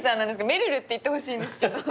「めるる」って言ってほしいんですけど。